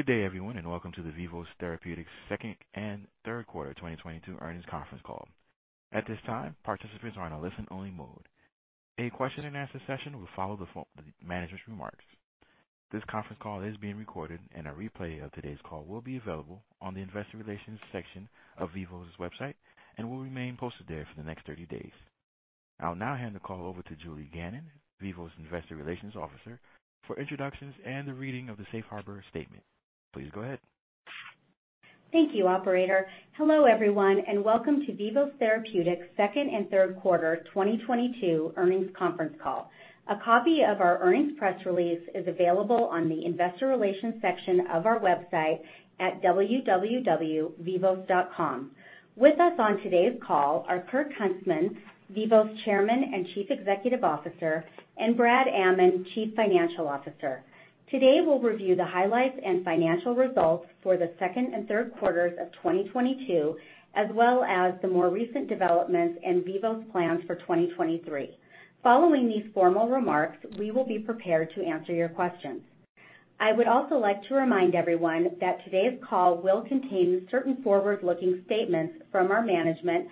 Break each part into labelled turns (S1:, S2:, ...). S1: Good day, everyone, and welcome to the Vivos Therapeutics second and Q3 2022 earnings conference call. At this time, participants are on a listen-only mode. A question-and-answer session will follow the manager's remarks. This conference call is being recorded, and a replay of today's call will be available on the investor relations section of Vivos' website and will remain posted there for the next 30 days. I'll now hand the call over to Julie Gannon, Vivos' Investor Relations Officer, for introductions and the reading of the safe harbor statement. Please go ahead.
S2: Thank you, operator. Hello, everyone, and welcome to Vivos Therapeutics second and Q3 2022 earnings conference call. A copy of our earnings press release is available on the investor relations section of our website at www.vivos.com. With us on today's call are Kirk Huntsman, Vivos Chairman and Chief Executive Officer, and Brad Amman, Chief Financial Officer. Today, we'll review the highlights and financial results for the second and Q3s of 2022, as well as the more recent developments in Vivos plans for 2023. Following these formal remarks, we will be prepared to answer your questions. I would also like to remind everyone that today's call will contain certain forward-looking statements from our management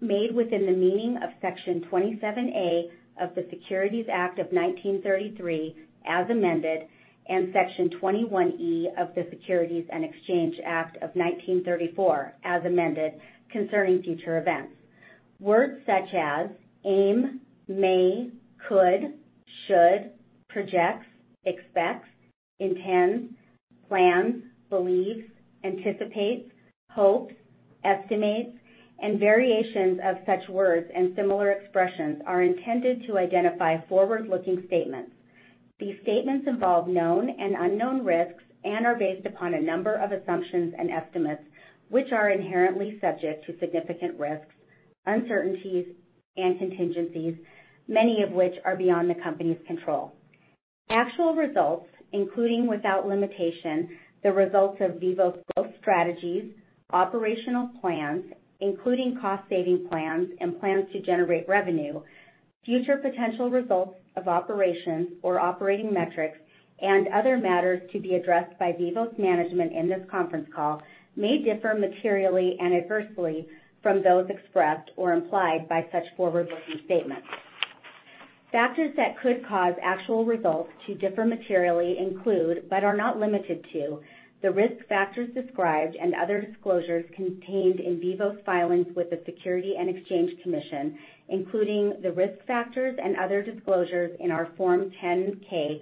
S2: made within the meaning of Section 27A of the Securities Act of 1933, as amended, and Section 21E of the Securities Exchange Act of 1934, as amended, concerning future events. Words such as aim, may, could, should, projects, expects, intends, plans, believes, anticipates, hopes, estimates, and variations of such words and similar expressions are intended to identify forward-looking statements. These statements involve known and unknown risks and are based upon a number of assumptions and estimates, which are inherently subject to significant risks, uncertainties, and contingencies, many of which are beyond the company's control. Actual results, including without limitation, the results of Vivos growth strategies, operational plans, including cost-saving plans and plans to generate revenue, future potential results of operations or operating metrics and other matters to be addressed by Vivos management in this conference call may differ materially and adversely from those expressed or implied by such forward-looking statements. Factors that could cause actual results to differ materially include, but are not limited to, the risk factors described and other disclosures contained in Vivos filings with the Securities and Exchange Commission, including the risk factors and other disclosures in our Form 10-K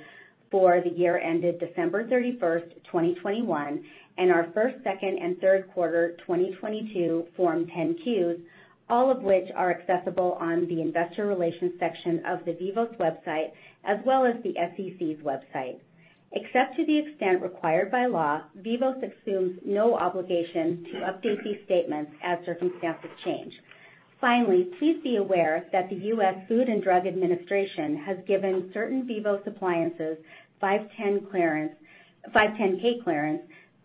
S2: for the year ended 31 December 2021, and our 1st, 2nd, and 3rd quarter 2022 Form 10-Qs, all of which are accessible on the investor relations section of the Vivos website, as well as the SEC's website. Except to the extent required by law, Vivos assumes no obligation to update these statements as circumstances change. Please be aware that the US Food and Drug Administration has given certain Vivos appliances 510(k) clearance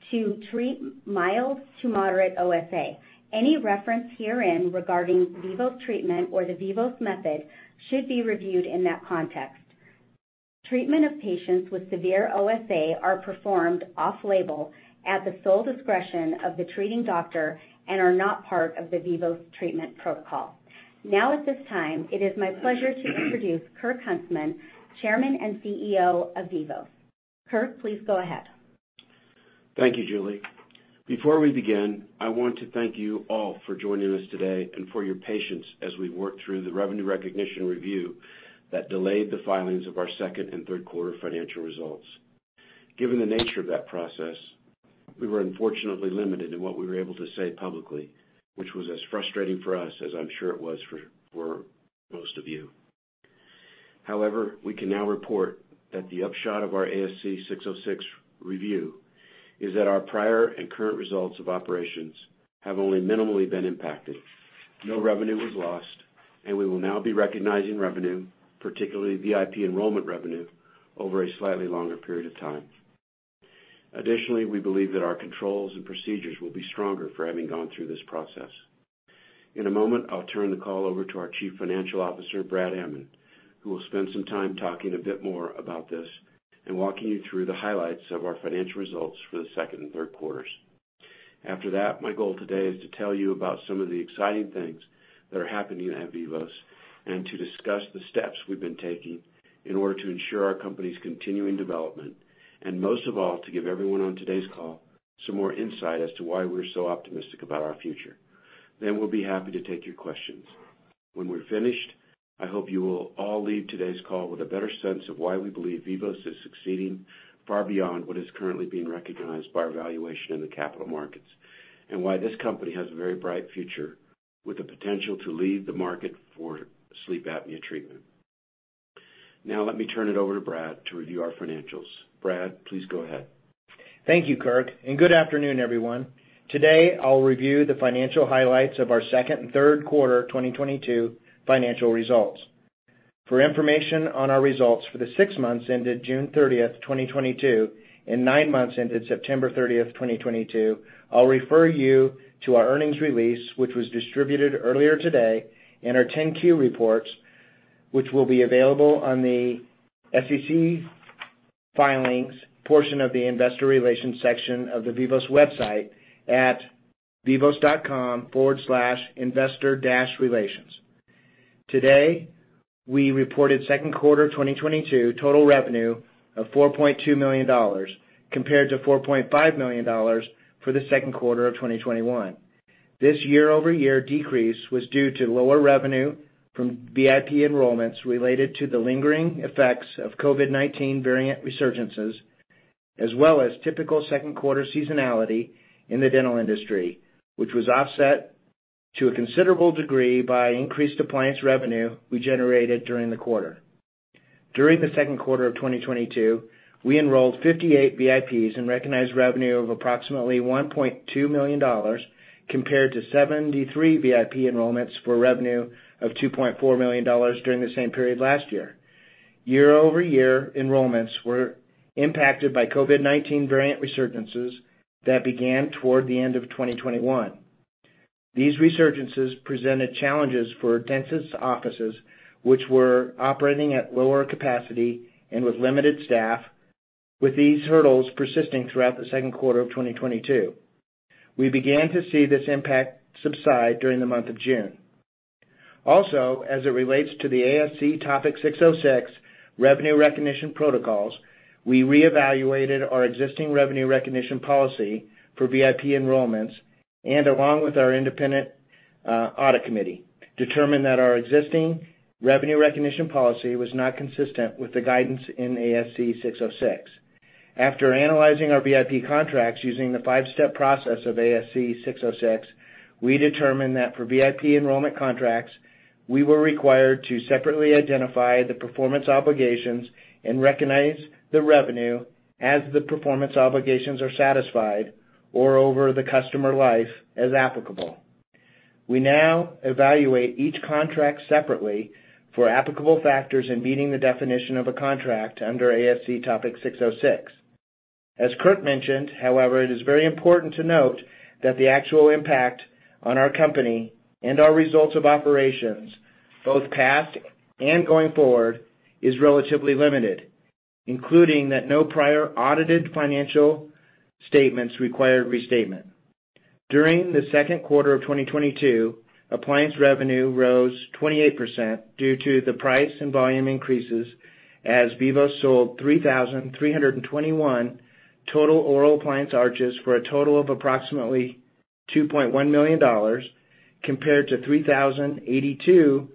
S2: to treat mild to moderate OSA. Any reference herein regarding Vivos treatment or the Vivos Method should be reviewed in that context. Treatment of patients with severe OSA are performed off label at the sole discretion of the treating doctor and are not part of the Vivos treatment protocol. At this time, it is my pleasure to introduce Kirk Huntsman, Chairman and CEO of Vivos. Kirk, please go ahead.
S3: Thank you, Julie. Before we begin, I want to thank you all for joining us today and for your patience as we work through the revenue recognition review that delayed the filings of our second and Q3 financial results. Given the nature of that process, we were unfortunately limited in what we were able to say publicly, which was as frustrating for us as I'm sure it was for most of you. We can now report that the upshot of our ASC 606 review is that our prior and current results of operations have only minimally been impacted. No revenue was lost, and we will now be recognizing revenue, particularly VIP enrollment revenue, over a slightly longer period of time. Additionally, we believe that our controls and procedures will be stronger for having gone through this process. In a moment, I'll turn the call over to our Chief Financial Officer, Brad Amman, who will spend some time talking a bit more about this and walking you through the highlights of our financial results for the second and Q3s. After that, my goal today is to tell you about some of the exciting things that are happening at Vivos and to discuss the steps we've been taking in order to ensure our company's continuing development, and most of all, to give everyone on today's call some more insight as to why we're so optimistic about our future. We'll be happy to take your questions. When we're finished, I hope you will all leave today's call with a better sense of why we believe Vivos is succeeding far beyond what is currently being recognized by our valuation in the capital markets and why this company has a very bright future with the potential to lead the market for sleep apnea treatment. Let me turn it over to Brad to review our financials. Brad, please go ahead.
S4: Thank you, Kirk, and good afternoon, everyone. Today, I'll review the financial highlights of our second and Q3 2022 financial results. For information on our results for the six months ended 30 June 2022, and nine months ended 30 September 2022, I'll refer you to our earnings release, which was distributed earlier today, and our Form 10-Qs. will be available on the SEC filings portion of the investor relations section of the Vivos website at vivos.com/investor-relations. Today, we reported Q2 2022 total revenue of $4.2 million compared to $4.5 million for the Q2 of 2021. This year-over-year decrease was due to lower revenue from VIP enrollments related to the lingering effects of COVID-19 variant resurgences, as well as typical Q2 seasonality in the dental industry, which was offset to a considerable degree by increased appliance revenue we generated during the quarter. During the Q2 of 2022, we enrolled 58 VIPs and recognized revenue of approximately $1.2 million compared to 73 VIP enrollments for revenue of $2.4 million during the same period last year. Year-over-year enrollments were impacted by COVID-19 variant resurgences that began toward the end of 2021. These resurgences presented challenges for dentist offices which were operating at lower capacity and with limited staff, with these hurdles persisting throughout the Q2 of 2022. We began to see this impact subside during the month of June. Also, as it relates to the ASC Topic 606 revenue recognition protocols, we reevaluated our existing revenue recognition policy for VIP enrollments and along with our independent audit committee, determined that our existing revenue recognition policy was not consistent with the guidance in ASC 606. After analyzing our VIP contracts using the 5-step process of ASC 606, we determined that for VIP enrollment contracts, we were required to separately identify the performance obligations and recognize the revenue as the performance obligations are satisfied or over the customer life, as applicable. We now evaluate each contract separately for applicable factors in meeting the definition of a contract under ASC Topic 606. As Kirk mentioned, however, it is very important to note that the actual impact on our company and our results of operations, both past and going forward, is relatively limited, including that no prior audited financial statements required restatement. During the Q2 of 2022, appliance revenue rose 28% due to the price and volume increases as Vivos sold 3,321 total oral appliance arches for a total of approximately $2.1 million, compared to 3,082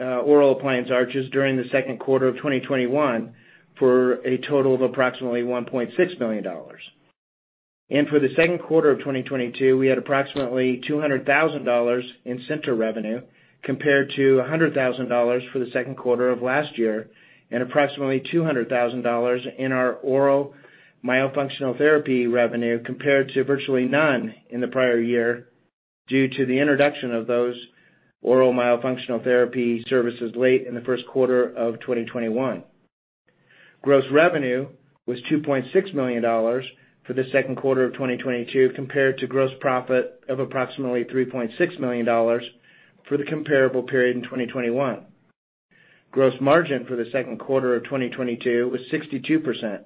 S4: oral appliance arches during the Q2 of 2021 for a total of approximately $1.6 million. For the Q2 of 2022, we had approximately $200,000 in center revenue compared to $100,000 for the Q2 of last year and approximately $200,000 in our oral myofunctional therapy revenue compared to virtually none in the prior year due to the introduction of those oral myofunctional therapy services late in the Q1 of 2021. Gross revenue was $2.6 million for the Q2 of 2022 compared to gross profit of approximately $3.6 million for the comparable period in 2021. Gross margin for the Q2 of 2022 was 62%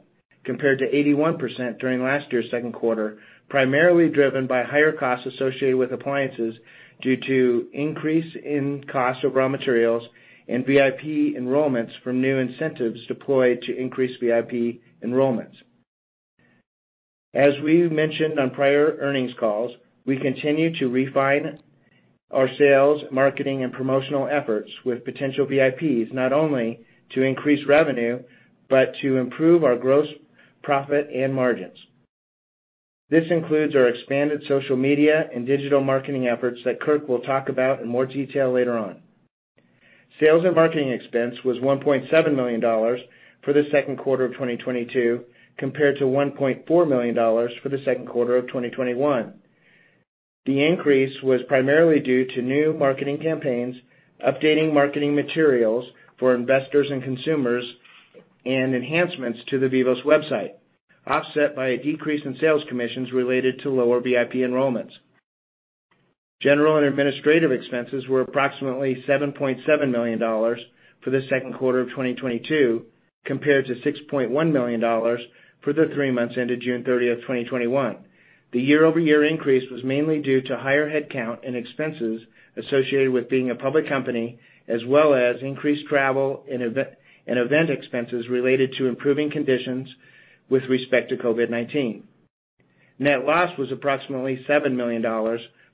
S4: compared to 81% during last year's Q2, primarily driven by higher costs associated with appliances due to increase in cost of raw materials and VIP enrollments from new incentives deployed to increase VIP enrollments. As we've mentioned on prior earnings calls, we continue to refine our sales, marketing, and promotional efforts with potential VIPs, not only to increase revenue, but to improve our gross profit and margins. This includes our expanded social media and digital marketing efforts that Kirk will talk about in more detail later on. Sales and marketing expense was $1.7 million for the Q2 of 2022 compared to $1.4 million for the Q2 of 2021. The increase was primarily due to new marketing campaigns, updating marketing materials for investors and consumers, and enhancements to the Vivos website, offset by a decrease in sales commissions related to lower VIP enrollments. General and administrative expenses were approximately $7.7 million for the Q2 of 2022 compared to $6.1 million for the three months ended 30 June 2021. The year-over-year increase was mainly due to higher headcount and expenses associated with being a public company, as well as increased travel and event expenses related to improving conditions with respect to COVID-19. Net loss was approximately $7 million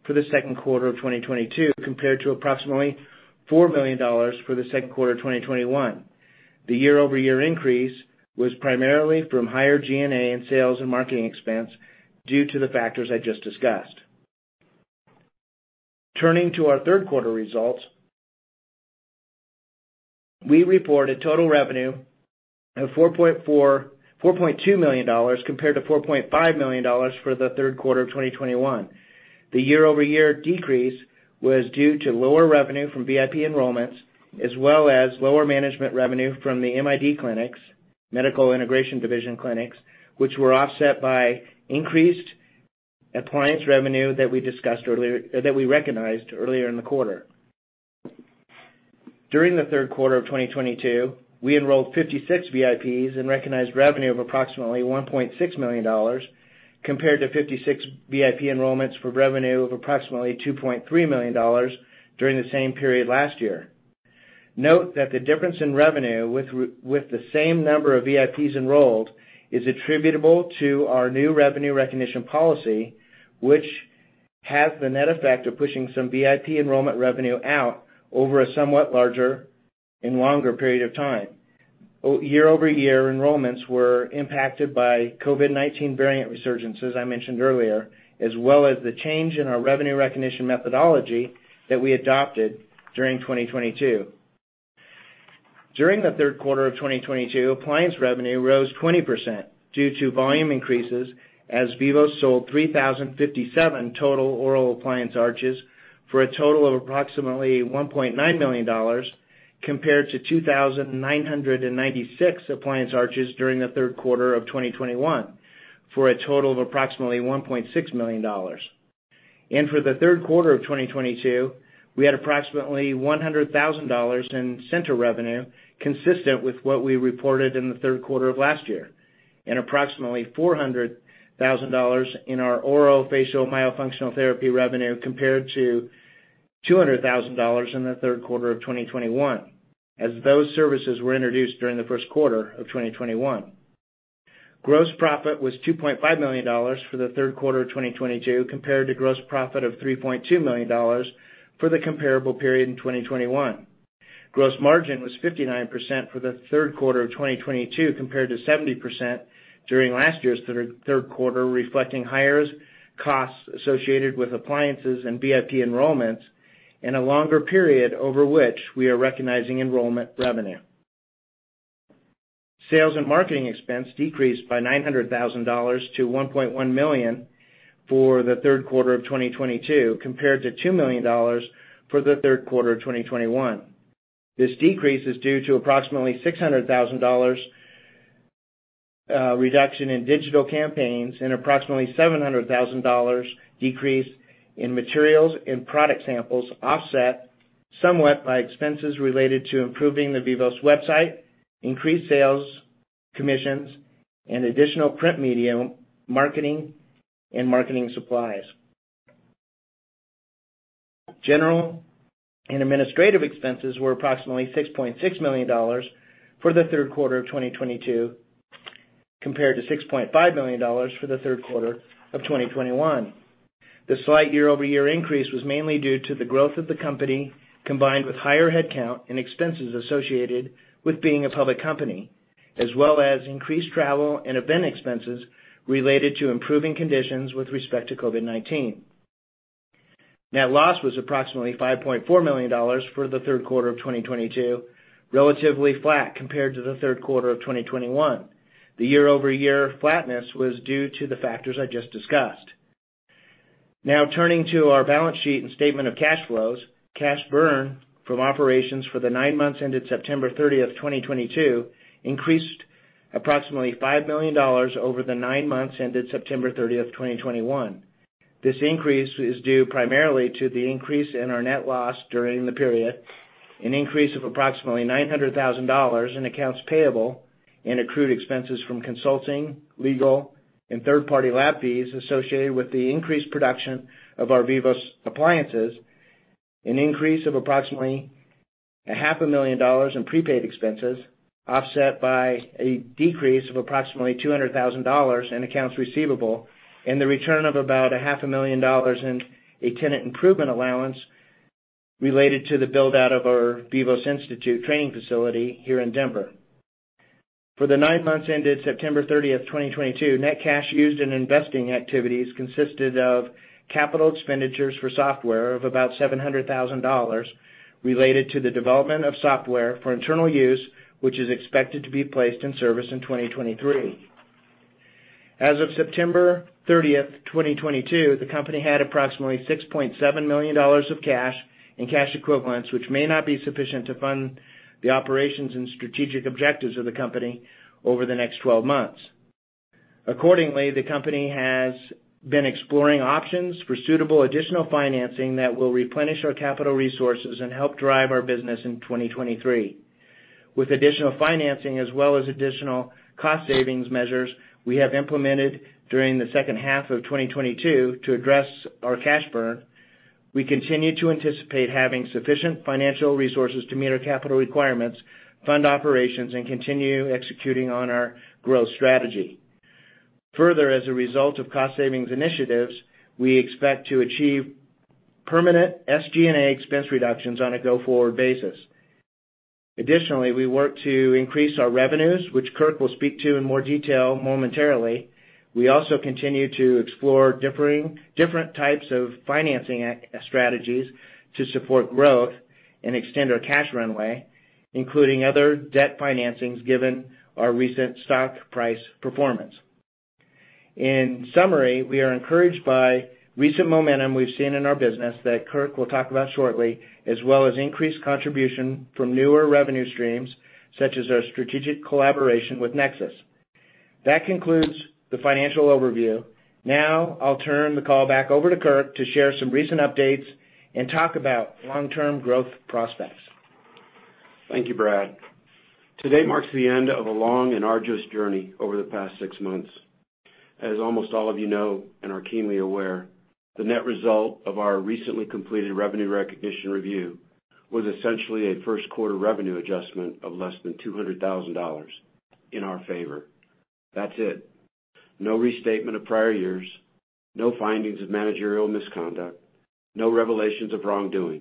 S4: for the Q2 of 2022 compared to approximately $4 million for the Q2 of 2021. The year-over-year increase was primarily from higher G&A and sales and marketing expense due to the factors I just discussed. Turning to our Q3 results, we reported total revenue of $4.2 million compared to $4.5 million for the Q3 of 2021. The year-over-year decrease was due to lower revenue from VIP enrollments, as well as lower management revenue from the MID clinics, Medical Integration Division clinics, which were offset by increased Appliance revenue that we recognized earlier in the quarter. During the Q3 of 2022, we enrolled 56 VIPs and recognized revenue of approximately $1.6 million compared to 56 VIP enrollments for revenue of approximately $2.3 million during the same period last year. Note that the difference in revenue with the same number of VIPs enrolled is attributable to our new revenue recognition policy, which has the net effect of pushing some VIP enrollment revenue out over a somewhat larger and longer period of time. Year-over-year enrollments were impacted by COVID-19 variant resurgence, as I mentioned earlier, as well as the change in our revenue recognition methodology that we adopted during 2022. During the Q3 of 2022, appliance revenue rose 20% due to volume increases, as Vivos sold 3,057 total oral appliance arches for a total of approximately $1.9 million, compared to 2,996 appliance arches during the Q3 of 2021, for a total of approximately $1.6 million. For the Q3 of 2022, we had approximately $100,000 in center revenue, consistent with what we reported in the Q3 of last year, and approximately $400,000 in our orofacial myofunctional therapy revenue compared to $200,000 in the Q3 of 2021, as those services were introduced during the Q1 of 2021. Gross profit was $2.5 million for the Q3 of 2022 compared to gross profit of $3.2 million for the comparable period in 2021. Gross margin was 59% for the Q3 of 2022 compared to 70% during last year's Q3, reflecting higher costs associated with appliances and VIP enrollments, and a longer period over which we are recognizing enrollment revenue. Sales and marketing expense decreased by $900,000 to $1.1 million for the Q3 of 2022 compared to $2 million for the Q3 of 2021. This decrease is due to approximately $600,000 reduction in digital campaigns and approximately $700,000 decrease in materials and product samples, offset somewhat by expenses related to improving the Vivos website, increased sales commissions, and additional print medium marketing and marketing supplies. General and administrative expenses were approximately $6.6 million for the Q3 of 2022 compared to $6.5 million for the Q3 of 2021. The slight year-over-year increase was mainly due to the growth of the company, combined with higher headcount and expenses associated with being a public company, as well as increased travel and event expenses related to improving conditions with respect to COVID-19. Net loss was approximately $5.4 million for the Q3 of 2022, relatively flat compared to the Q3 of 2021. The year-over-year flatness was due to the factors I just discussed. Now turning to our balance sheet and statement of cash flows. Cash burn from operations for the 9 months ended 30 September 2022 increased approximately $5 million over the 9 months ended 30 September 2021. This increase is due primarily to the increase in our net loss during the period, an increase of approximately $900,000 in accounts payable and accrued expenses from consulting, legal, and third-party lab fees associated with the increased production of our Vivos appliances, an increase of approximately a half a million dollars in prepaid expenses, offset by a decrease of approximately $200,000 in accounts receivable, and the return of about a half a million dollars in a tenant improvement allowance related to the build-out of our Vivos Institute training facility here in Denver. For the nine months ended 30 September 2022, net cash used in investing activities consisted of capital expenditures for software of about $700,000 related to the development of software for internal use, which is expected to be placed in service in 2023. As of 30 September 2022, the company had approximately $6.7 million of cash and cash equivalents, which may not be sufficient to fund the operations and strategic objectives of the company over the next 12 months. The company has been exploring options for suitable additional financing that will replenish our capital resources and help drive our business in 2023. With additional financing as well as additional cost savings measures we have implemented during the H2 of 2022 to address our cash burn, we continue to anticipate having sufficient financial resources to meet our capital requirements, fund operations, and continue executing on our growth strategy. Further, as a result of cost savings initiatives, we expect to achieve permanent SG&A expense reductions on a go-forward basis. Additionally, we work to increase our revenues, which Kirk will speak to in more detail momentarily. We also continue to explore different types of financing strategies to support growth and extend our cash runway, including other debt financings given our recent stock price performance. In summary, we are encouraged by recent momentum we've seen in our business that Kirk will talk about shortly, as well as increased contribution from newer revenue streams such as our strategic collaboration with Nexus. That concludes the financial overview. Now I'll turn the call back over to Kirk to share some recent updates and talk about long-term growth prospects.
S3: Thank you, Brad. Today marks the end of a long and arduous journey over the past six months. As almost all of you know and are keenly aware, the net result of our recently completed revenue recognition review was essentially a Q1 revenue adjustment of less than $200,000 in our favor. That's it. No restatement of prior years, no findings of managerial misconduct, no revelations of wrongdoing,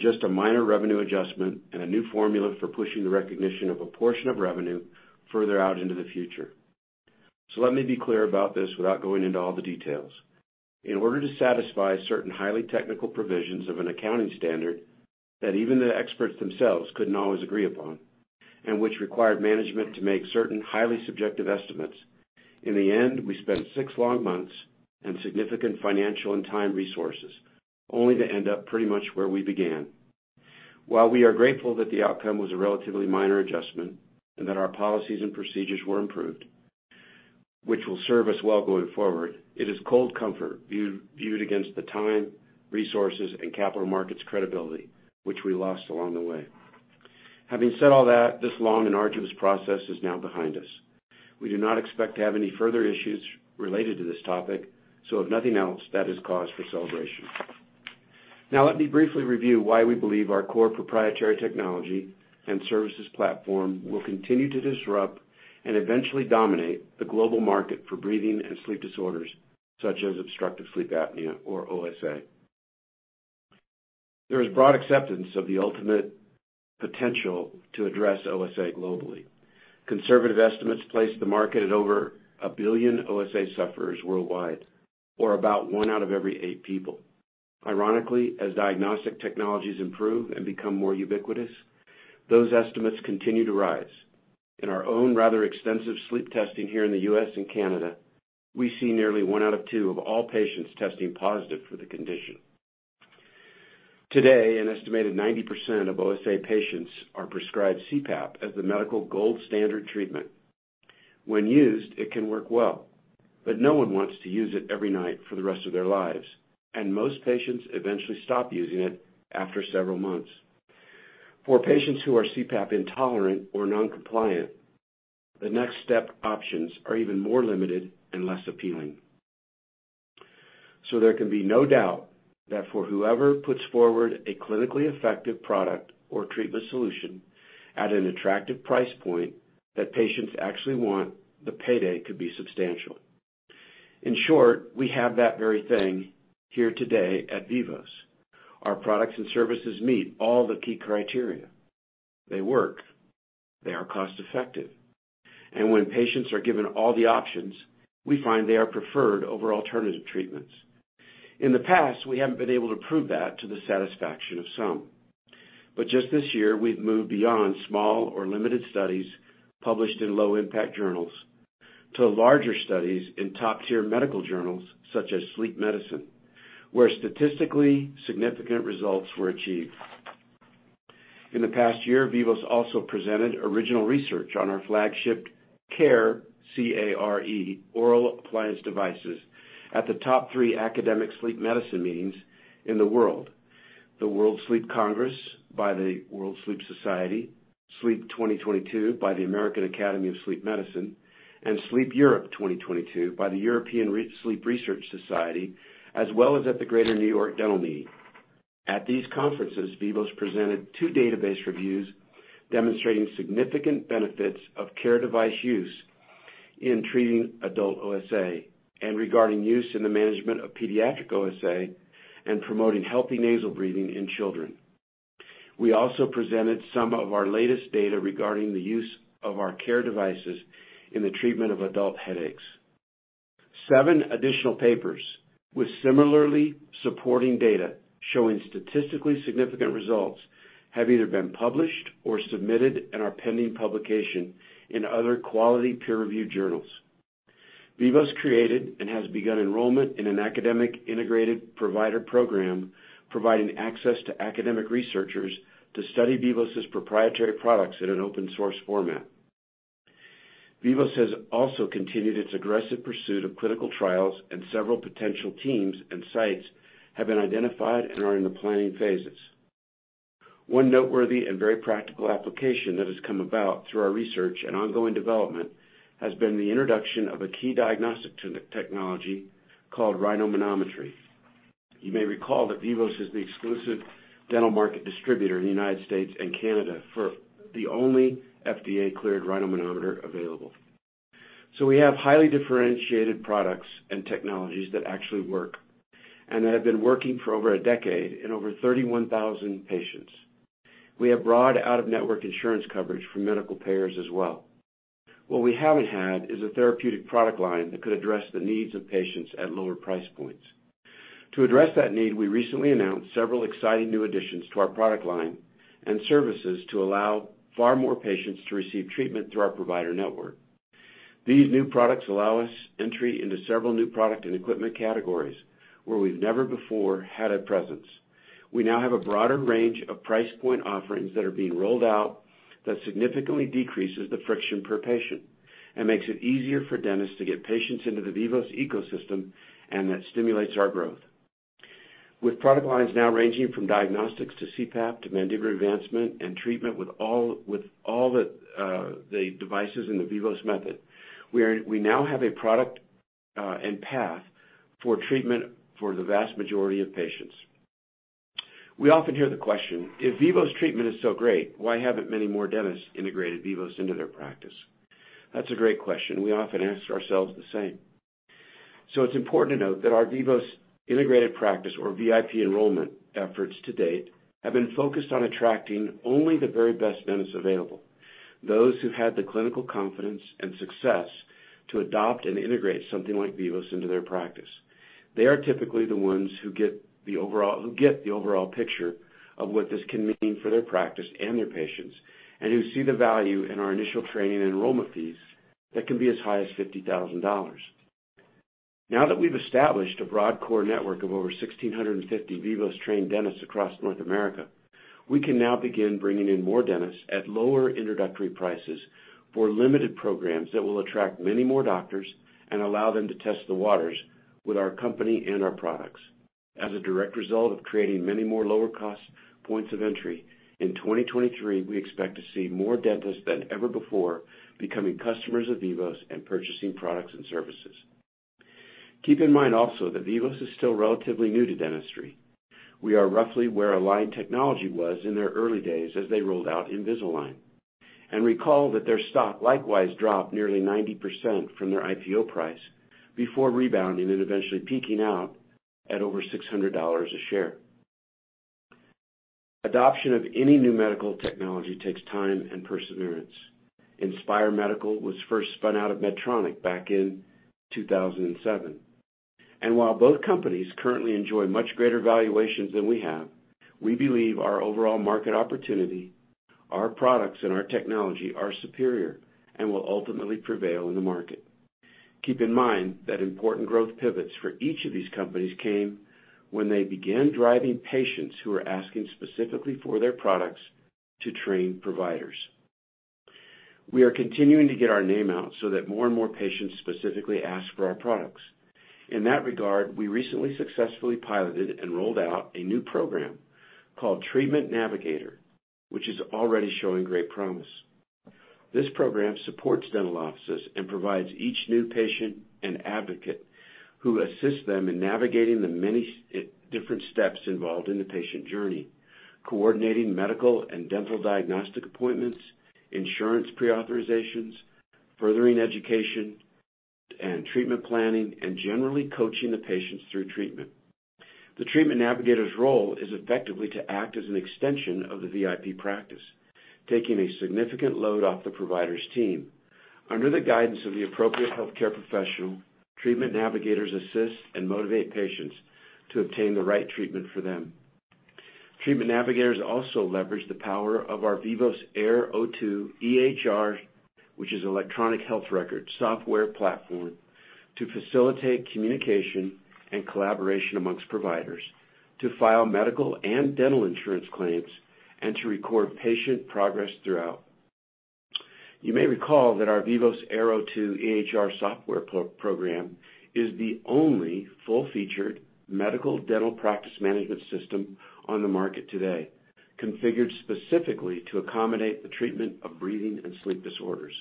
S3: just a minor revenue adjustment and a new formula for pushing the recognition of a portion of revenue further out into the future. Let me be clear about this without going into all the details. In order to satisfy certain highly technical provisions of an accounting standard that even the experts themselves couldn't always agree upon, and which required management to make certain highly subjective estimates. In the end, we spent six long months and significant financial and time resources only to end up pretty much where we began. While we are grateful that the outcome was a relatively minor adjustment and that our policies and procedures were improved, which will serve us well going forward, it is cold comfort viewed against the time, resources, and capital markets credibility, which we lost along the way. Having said all that, this long and arduous process is now behind us. We do not expect to have any further issues related to this topic, so if nothing else, that is cause for celebration. Now let me briefly review why we believe our core proprietary technology and services platform will continue to disrupt and eventually dominate the global market for breathing and sleep disorders such as obstructive sleep apnea, or OSA. There is broad acceptance of the ultimate potential to address OSA globally. Conservative estimates place the market at over 1 billion OSA sufferers worldwide, or about 1 out of every 8 people. Ironically, as diagnostic technologies improve and become more ubiquitous, those estimates continue to rise. In our own rather extensive sleep testing here in the US and Canada, we see nearly 1 out of 2 of all patients testing positive for the condition. Today, an estimated 90% of OSA patients are prescribed CPAP as the medical gold standard treatment. When used, it can work well, but no one wants to use it every night for the rest of their lives, and most patients eventually stop using it after several months. For patients who are CPAP intolerant or non-compliant, the next step options are even more limited and less appealing. There can be no doubt that for whoever puts forward a clinically effective product or treatment solution at an attractive price point that patients actually want, the payday could be substantial. In short, we have that very thing here today at Vivos. Our products and services meet all the key criteria. They work, they are cost-effective, and when patients are given all the options, we find they are preferred over alternative treatments. In the past, we haven't been able to prove that to the satisfaction of some. Just this year, we've moved beyond small or limited studies published in low-impact journals to larger studies in top-tier medical journals such as Sleep Medicine, where statistically significant results were achieved. In the past year, Vivos also presented original research on our flagship CARE, C-A-R-E oral appliance devices at the top three academic sleep medicine meetings in the world. The World Sleep Congress by the World Sleep Society, SLEEP 2022 by the American Academy of Sleep Medicine, and Sleep Europe 2022 by the European Sleep Research Society, as well as at the Greater New York Dental Meeting. At these conferences, Vivos presented two database reviews demonstrating significant benefits of CARE device use in treating adult OSA and regarding use in the management of pediatric OSA and promoting healthy nasal breathing in children. We also presented some of our latest data regarding the use of our CARE devices in the treatment of adult headaches. Seven additional papers with similarly supporting data showing statistically significant results have either been published or submitted and are pending publication in other quality peer-review journals. Vivos created and has begun enrollment in an academic integrated provider program, providing access to academic researchers to study Vivos' proprietary products in an open source format. Vivos has also continued its aggressive pursuit of clinical trials, and several potential teams and sites have been identified and are in the planning phases. One noteworthy and very practical application that has come about through our research and ongoing development has been the introduction of a key diagnostic technology called rhinomanometry. You may recall that Vivos is the exclusive dental market distributor in the United States and Canada for the only FDA-cleared rhinomanometer available. We have highly differentiated products and technologies that actually work and that have been working for over a decade in over 31,000 patients. We have broad out-of-network insurance coverage for medical payers as well. What we haven't had is a therapeutic product line that could address the needs of patients at lower price points. To address that need, we recently announced several exciting new additions to our product line and services to allow far more patients to receive treatment through our provider network. These new products allow us entry into several new product and equipment categories where we've never before had a presence. We now have a broader range of price point offerings that are being rolled out that significantly decreases the friction per patient and makes it easier for dentists to get patients into the Vivos ecosystem and that stimulates our growth. With product lines now ranging from diagnostics to CPAP to mandibular advancement and treatment with all, with all the devices in the Vivos Method, we now have a product and path for treatment for the vast majority of patients. We often hear the question, "If Vivos treatment is so great, why haven't many more dentists integrated Vivos into their practice?" That's a great question. We often ask ourselves the same. It's important to note that our Vivos Integrated Practice or VIP enrollment efforts to date have been focused on attracting only the very best dentists available, those who've had the clinical confidence and success to adopt and integrate something like Vivos into their practice. They are typically the ones who get the overall picture of what this can mean for their practice and their patients, and who see the value in our initial training and enrollment fees that can be as high as $50,000. Now that we've established a broad core network of over 1,650 Vivos-trained dentists across North America, we can now begin bringing in more dentists at lower introductory prices for limited programs that will attract many more doctors and allow them to test the waters with our company and our products. As a direct result of creating many more lower cost points of entry, in 2023, we expect to see more dentists than ever before becoming customers of Vivos and purchasing products and services. Keep in mind also that Vivos is still relatively new to dentistry. We are roughly where Align Technology was in their early days as they rolled out Invisalign. Recall that their stock likewise dropped nearly 90% from their IPO price before rebounding and eventually peaking out at over $600 a share. Adoption of any new medical technology takes time and perseverance. Inspire Medical was first spun out of Medtronic back in 2007. While both companies currently enjoy much greater valuations than we have, we believe our overall market opportunity, our products, and our technology are superior and will ultimately prevail in the market. Keep in mind that important growth pivots for each of these companies came when they began driving patients who are asking specifically for their products to train providers. We are continuing to get our name out so that more and more patients specifically ask for our products. In that regard, we recently successfully piloted and rolled out a new program called Treatment Navigator, which is already showing great promise. This program supports dental offices and provides each new patient an advocate who assists them in navigating the many different steps involved in the patient journey, coordinating medical and dental diagnostic appointments, insurance pre-authorizations, furthering education and treatment planning, and generally coaching the patients through treatment. The Treatment Navigator's role is effectively to act as an extension of the VIP practice, taking a significant load off the provider's team. Under the guidance of the appropriate healthcare professional, Treatment Navigators assist and motivate patients to obtain the right treatment for them. Treatment Navigators also leverage the power of our Vivos AireO2 EHR, which is Electronic Health Record software platform, to facilitate communication and collaboration amongst providers, to file medical and dental insurance claims, and to record patient progress throughout. You may recall that our Vivos AireO2 EHR software pro-program is the only full-featured medical dental practice management system on the market today, configured specifically to accommodate the treatment of breathing and sleep disorders.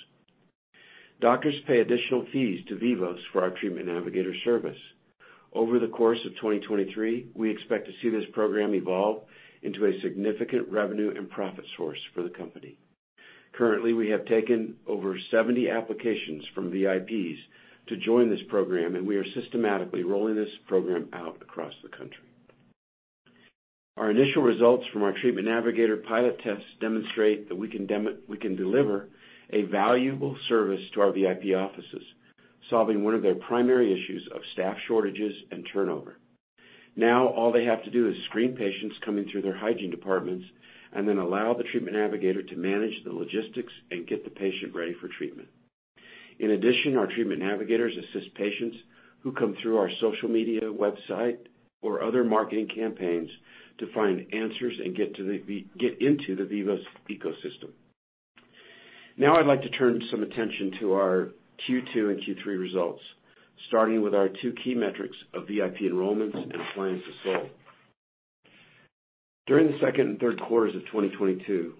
S3: Doctors pay additional fees to Vivos for our treatment navigator service. Over the course of 2023, we expect to see this program evolve into a significant revenue and profit source for the company. Currently, we have taken over 70 applications from VIPs to join this program, and we are systematically rolling this program out across the country. Our initial results from our treatment navigator pilot tests demonstrate that we can deliver a valuable service to our VIP offices, solving one of their primary issues of staff shortages and turnover. All they have to do is screen patients coming through their hygiene departments and then allow the Treatment Navigator to manage the logistics and get the patient ready for treatment. In addition, our Treatment Navigators assist patients who come through our social media website or other marketing campaigns to find answers and get into the Vivos ecosystem. I'd like to turn some attention to our Q2 and Q3 results, starting with our two key metrics of VIP enrollments and appliance to sold. During the second and Q3s of 2022,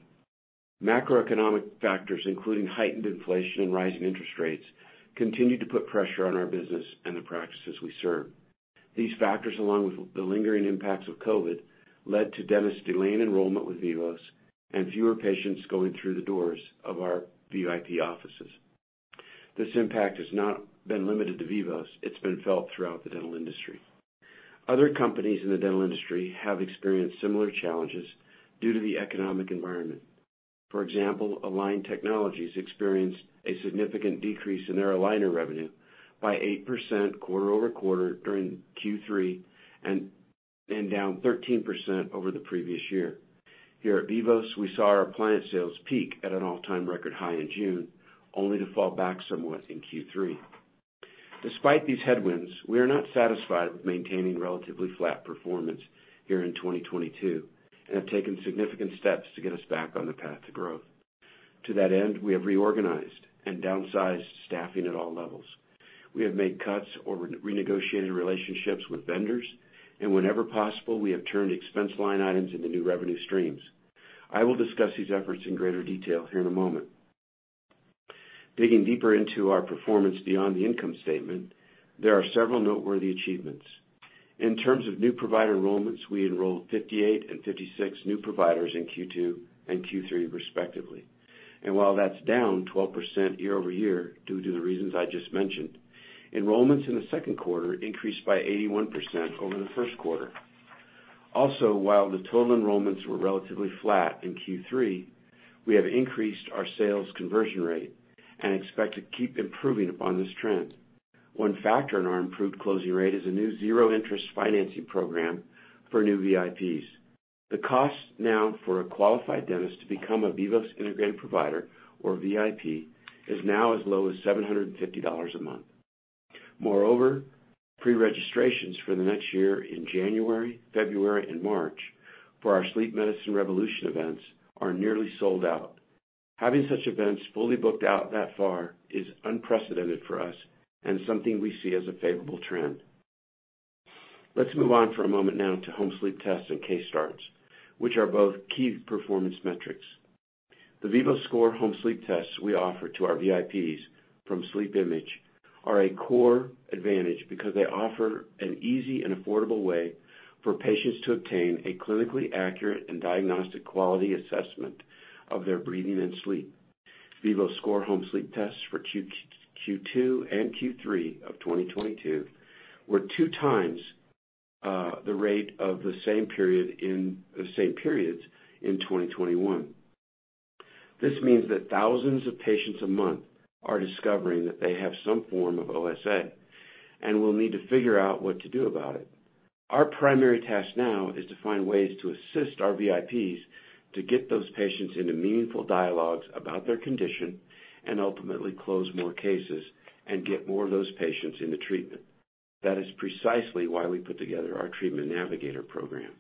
S3: macroeconomic factors, including heightened inflation and rising interest rates, continued to put pressure on our business and the practices we serve. These factors, along with the lingering impacts of COVID, led to dentists delaying enrollment with Vivos and fewer patients going through the doors of our VIP offices. This impact has not been limited to Vivos. It's been felt throughout the dental industry. Other companies in the dental industry have experienced similar challenges due to the economic environment. For example, Align Technology experienced a significant decrease in their aligner revenue by 8% quarter-over-quarter during Q3 and down 13% over the previous year. Here at Vivos, we saw our appliance sales peak at an all-time record high in June, only to fall back somewhat in Q3. Despite these headwinds, we are not satisfied with maintaining relatively flat performance here in 2022 and have taken significant steps to get us back on the path to growth. To that end, we have reorganized and downsized staffing at all levels. We have made cuts or renegotiated relationships with vendors and whenever possible, we have turned expense line items into new revenue streams. I will discuss these efforts in greater detail here in a moment. Digging deeper into our performance beyond the income statement, there are several noteworthy achievements. In terms of new provider enrollments, we enrolled 58 and 56 new providers in Q2 and Q3 respectively. While that's down 12% year-over-year due to the reasons I just mentioned, enrollments in the Q2 increased by 81% over the Q1. Also, while the total enrollments were relatively flat in Q3, we have increased our sales conversion rate and expect to keep improving upon this trend. One factor in our improved closing rate is a new zero interest financing program for new VIPs. The cost now for a qualified dentist to become a Vivos integrated provider or VIP is now as low as $750 a month. Moreover, pre-registrations for the next year in January, February and March for our Sleep Medicine Revolution events are nearly sold out. Having such events fully booked out that far is unprecedented for us and something we see as a favorable trend. Let's move on for a moment now to home sleep tests and case starts, which are both key performance metrics. The VivoScore home sleep tests we offer to our VIPs from SleepImage are a core advantage because they offer an easy and affordable way for patients to obtain a clinically accurate and diagnostic quality assessment of their breathing and sleep. VivoScore home sleep tests for Q2 and Q3 of 2022 were 2 times the rate of the same periods in 2021. This means that thousands of patients a month are discovering that they have some form of OSA and will need to figure out what to do about it. Our primary task now is to find ways to assist our VIPs to get those patients into meaningful dialogues about their condition and ultimately close more cases and get more of those patients into treatment. That is precisely why we put together our Treatment Navigator program.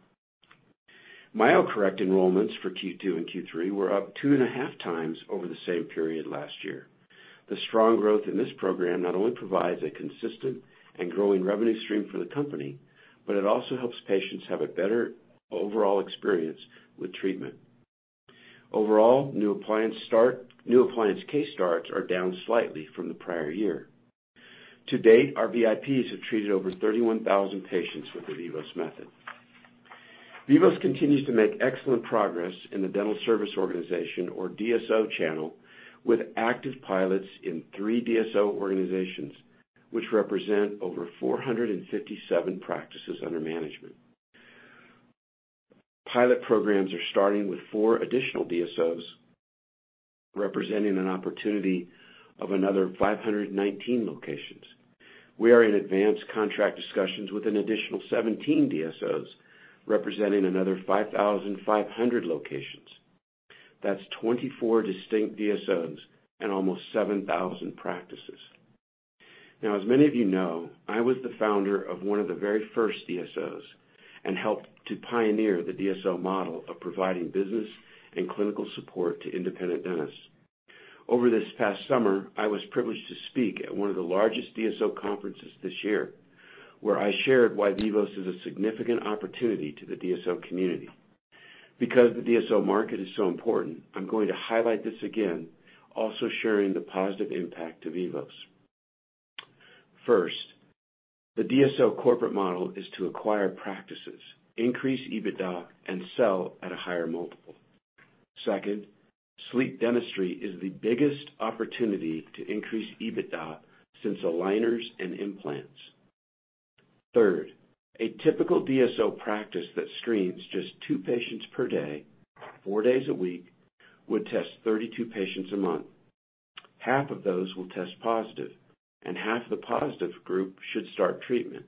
S3: MyoCorrect enrollments for Q2 and Q3 were up 2.5 times over the same period last year. The strong growth in this program not only provides a consistent and growing revenue stream for the company, but it also helps patients have a better overall experience with treatment. Overall, new appliance case starts are down slightly from the prior year. To date, our VIPs have treated over 31,000 patients with the Vivos Method. Vivos continues to make excellent progress in the dental service organization or DSO channel with active pilots in 3 DSO organizations which represent over 457 practices under management. Pilot programs are starting with 4 additional DSOs representing an opportunity of another 519 locations. We are in advanced contract discussions with an additional 17 DSOs representing another 5,500 locations. That's 24 distinct DSOs and almost 7,000 practices. As many of you know, I was the founder of one of the very first DSOs and helped to pioneer the DSO model of providing business and clinical support to independent dentists. Over this past summer, I was privileged to speak at one of the largest DSO conferences this year, where I shared why Vivos is a significant opportunity to the DSO community. The DSO market is so important, I'm going to highlight this again, also sharing the positive impact to Vivos. First, the DSO corporate model is to acquire practices, increase EBITDA, and sell at a higher multiple. Second, sleep dentistry is the biggest opportunity to increase EBITDA since aligners and implants. Third, a typical DSO practice that screens just two patients per day, four days a week, would test 32 patients a month. Half of those will test positive, and half the positive group should start treatment,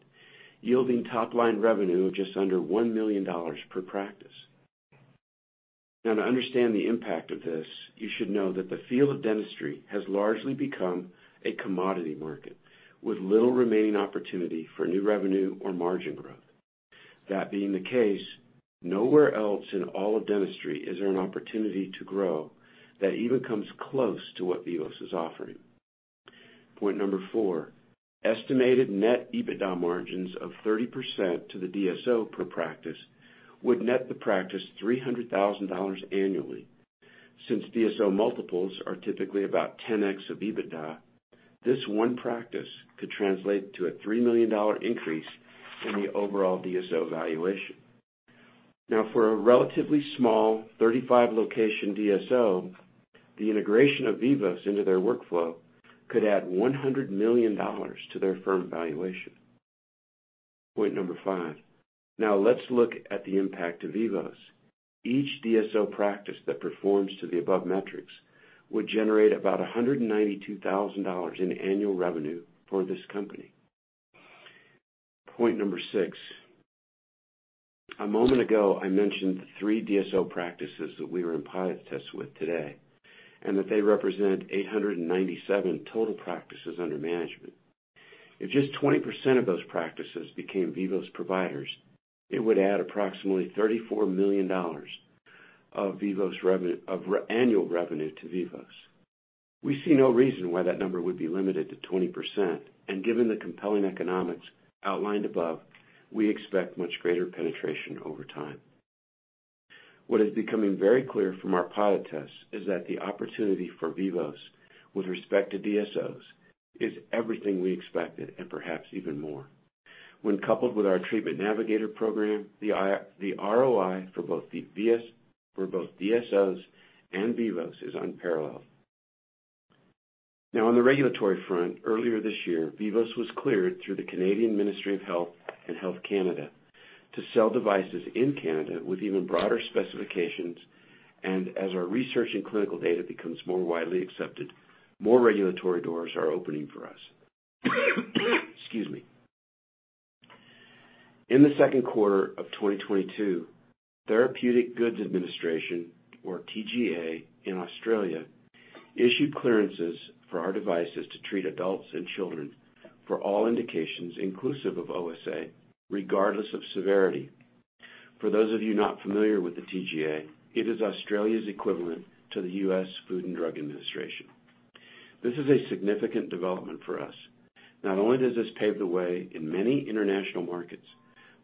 S3: yielding top line revenue of just under $1 million per practice. To understand the impact of this, you should know that the field of dentistry has largely become a commodity market with little remaining opportunity for new revenue or margin growth. That being the case, nowhere else in all of dentistry is there an opportunity to grow that even comes close to what Vivos is offering. Point number 4. Estimated net EBITDA margins of 30% to the DSO per practice would net the practice $300,000 annually. Since DSO multiples are typically about 10x of EBITDA, this one practice could translate to a $3 million increase in the overall DSO valuation. For a relatively small 35 location DSO, the integration of Vivos into their workflow could add $100 million to their firm valuation. Point number 5. Let's look at the impact of Vivos. Each DSO practice that performs to the above metrics would generate about $192,000 in annual revenue for this company. Point number six. A moment ago, I mentioned the three DSO practices that we were in pilot tests with today, and that they represent 897 total practices under management. If just 20% of those practices became Vivos providers, it would add approximately $34 million of Vivos of annual revenue to Vivos. We see no reason why that number would be limited to 20%. Given the compelling economics outlined above, we expect much greater penetration over time. What is becoming very clear from our pilot tests is that the opportunity for Vivos with respect to DSOs is everything we expected and perhaps even more. When coupled with our Treatment Navigator program, the ROI for both DSOs and Vivos is unparalleled. On the regulatory front, earlier this year, Vivos was cleared through the Canadian Ministry of Health and Health Canada to sell devices in Canada with even broader specifications. As our research and clinical data becomes more widely accepted, more regulatory doors are opening for us. Excuse me. In the Q2 of 2022, Therapeutic Goods Administration, or TGA, in Australia, issued clearances for our devices to treat adults and children for all indications inclusive of OSA, regardless of severity. For those of you not familiar with the TGA, it is Australia's equivalent to the US Food and Drug Administration. This is a significant development for us. Not only does this pave the way in many international markets,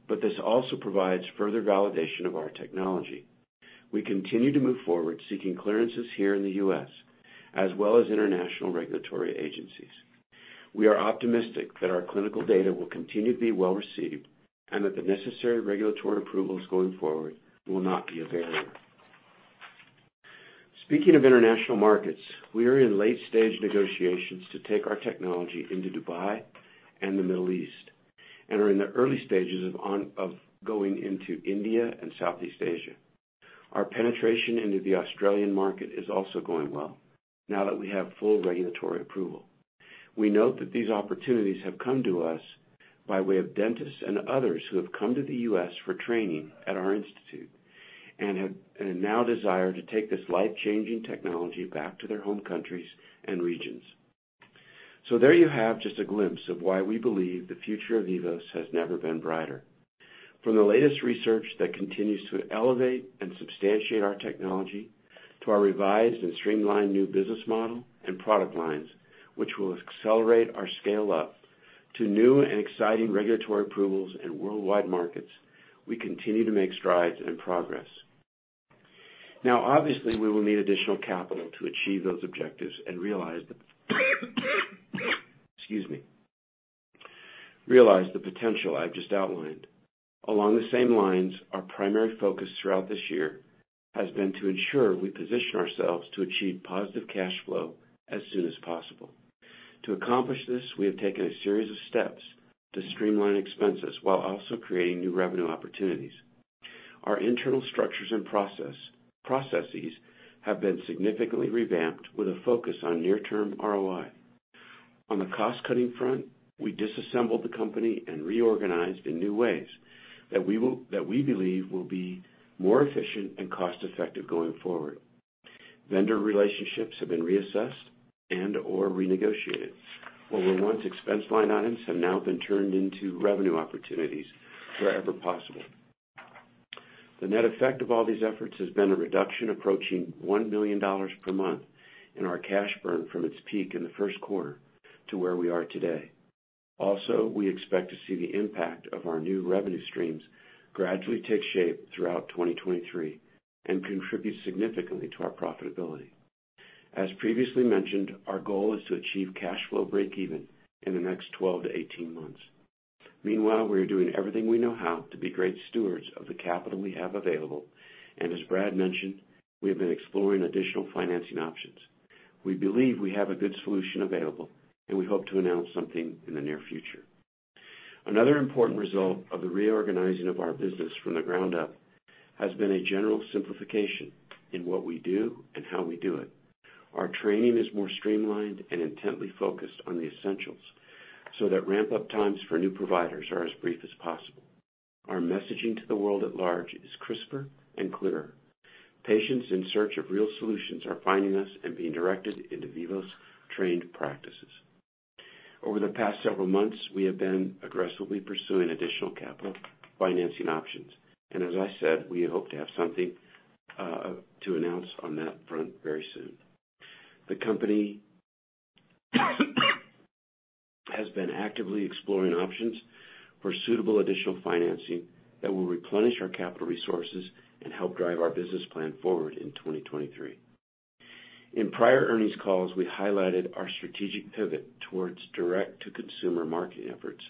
S3: but this also provides further validation of our technology. We continue to move forward, seeking clearances here in the U.S., as well as international regulatory agencies. We are optimistic that our clinical data will continue to be well-received and that the necessary regulatory approvals going forward will not be a variant. Speaking of international markets, we are in late stage negotiations to take our technology into Dubai and the Middle East, and are in the early stages of going into India and Southeast Asia. Our penetration into the Australian market is also going well now that we have full regulatory approval. We note that these opportunities have come to us by way of dentists and others who have come to the U.S. for training at our Institute and now desire to take this life-changing technology back to their home countries and regions. There you have just a glimpse of why we believe the future of Vivos has never been brighter. From the latest research that continues to elevate and substantiate our technology, to our revised and streamlined new business model and product lines, which will accelerate our scale-up, to new and exciting regulatory approvals in worldwide markets, we continue to make strides and progress. Obviously, we will need additional capital to achieve those objectives and realize the potential I've just outlined. Along the same lines, our primary focus throughout this year has been to ensure we position ourselves to achieve positive cash flow as soon as possible. To accomplish this, we have taken a series of steps to streamline expenses while also creating new revenue opportunities. Our internal structures and processes have been significantly revamped with a focus on near-term ROI. On the cost-cutting front, we disassembled the company and reorganized in new ways that we believe will be more efficient and cost-effective going forward. Vendor relationships have been reassessed and/or renegotiated. What were once expense line items have now been turned into revenue opportunities wherever possible. The net effect of all these efforts has been a reduction approaching $1 million per month in our cash burn from its peak in the Q1 to where we are today. We expect to see the impact of our new revenue streams gradually take shape throughout 2023 and contribute significantly to our profitability. As previously mentioned, our goal is to achieve cash flow breakeven in the next 12 to 18 months. Meanwhile, we are doing everything we know how to be great stewards of the capital we have available. As Brad mentioned, we have been exploring additional financing options. We believe we have a good solution available, and we hope to announce something in the near future. Another important result of the reorganizing of our business from the ground up has been a general simplification in what we do and how we do it. Our training is more streamlined and intently focused on the essentials so that ramp-up times for new providers are as brief as possible. Our messaging to the world at large is crisper and clearer. Patients in search of real solutions are finding us and being directed into Vivos trained practices. Over the past several months, we have been aggressively pursuing additional capital financing options. As I said, we hope to have something to announce on that front very soon. The company has been actively exploring options for suitable additional financing that will replenish our capital resources and help drive our business plan forward in 2023. In prior earnings calls, we highlighted our strategic pivot towards direct-to-consumer marketing efforts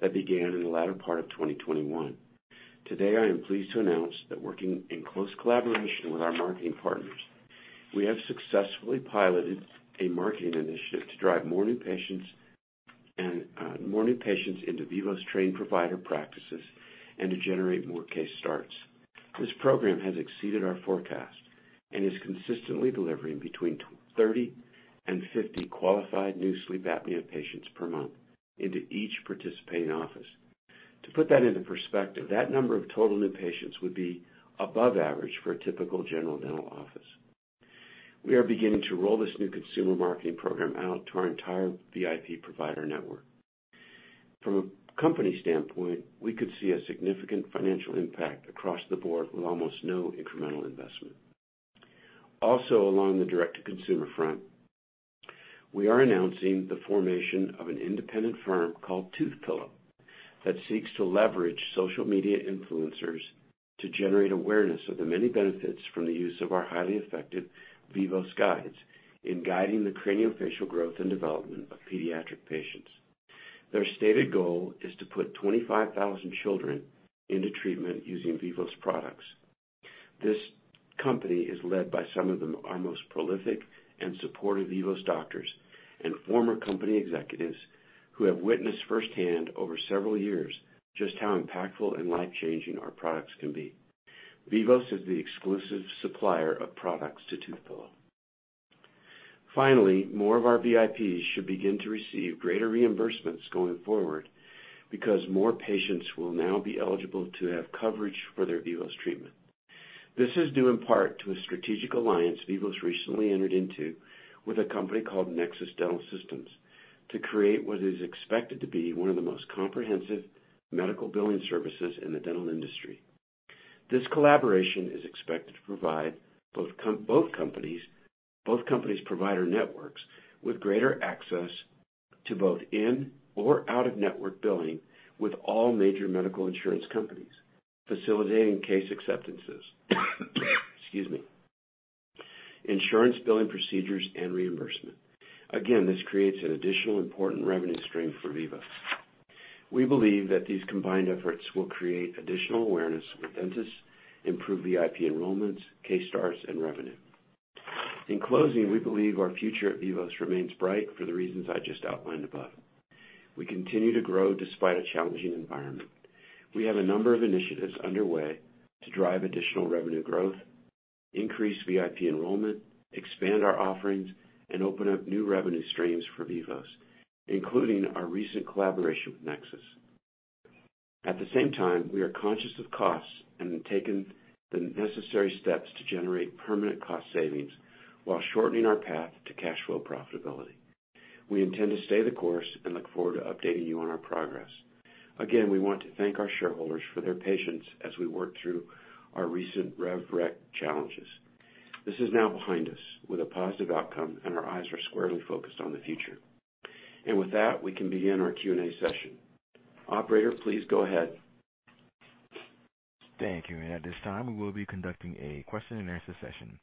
S3: that began in the latter part of 2021. Today, I am pleased to announce that working in close collaboration with our marketing partners, we have successfully piloted a marketing initiative to drive more new patients. more new patients into Vivos trained provider practices and to generate more case starts. This program has exceeded our forecast and is consistently delivering between 30 and 50 qualified new sleep apnea patients per month into each participating office. To put that into perspective, that number of total new patients would be above average for a typical general dental office. We are beginning to roll this new consumer marketing program out to our entire VIP provider network. Along the direct-to-consumer front, we are announcing the formation of an independent firm called Toothpillow that seeks to leverage social media influencers to generate awareness of the many benefits from the use of our highly effective Vivos Guides in guiding the craniofacial growth and development of pediatric patients. Their stated goal is to put 25,000 children into treatment using Vivos products. This company is led by some of our most prolific and supportive Vivos doctors and former company executives who have witnessed firsthand over several years just how impactful and life-changing our products can be. Vivos is the exclusive supplier of products to Toothpillow. More of our VIPs should begin to receive greater reimbursements going forward because more patients will now be eligible to have coverage for their Vivos treatment. This is due in part to a strategic alliance Vivos recently entered into with a company called Nexus Dental Systems to create what is expected to be one of the most comprehensive medical billing services in the dental industry. This collaboration is expected to provide both companies provider networks with greater access to both in or out of network billing with all major medical insurance companies, facilitating case acceptances, excuse me, insurance billing procedures and reimbursement. This creates an additional important revenue stream for Vivos. We believe that these combined efforts will create additional awareness with dentists, improve VIP enrollments, case starts, and revenue. In closing, we believe our future at Vivos remains bright for the reasons I just outlined above. We continue to grow despite a challenging environment. We have a number of initiatives underway to drive additional revenue growth, increase VIP enrollment, expand our offerings, and open up new revenue streams for Vivos, including our recent collaboration with Nexus. At the same time, we are conscious of costs and have taken the necessary steps to generate permanent cost savings while shortening our path to cash flow profitability. We intend to stay the course and look forward to updating you on our progress. Again, we want to thank our shareholders for their patience as we work through our recent RevRec challenges. This is now behind us with a positive outcome, and our eyes are squarely focused on the future. With that, we can begin our Q&A session. Operator, please go ahead.
S1: Thank you. At this time, we will be conducting a question and answer session.